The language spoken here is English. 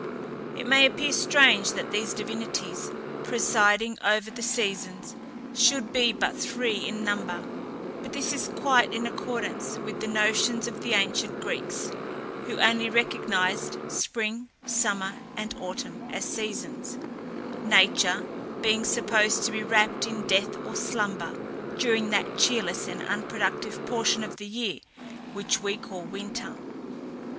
It may appear strange that these divinities, presiding over the seasons, should be but three in number, but this is quite in accordance with the notions of the ancient Greeks, who only recognized spring, summer, and autumn as seasons; nature being supposed to be wrapt in death or slumber, during that cheerless and unproductive portion of the year which we call winter.